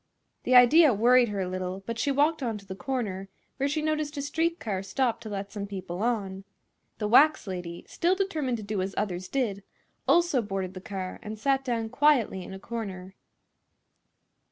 This idea worried her a little, but she walked on to the corner, where she noticed a street car stop to let some people on. The wax lady, still determined to do as others did, also boarded the car and sat down quietly in a corner.